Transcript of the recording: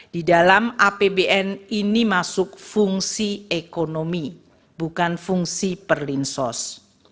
di dalam apbn ini masuk fungsi ekonomi bukan fungsi perlinsos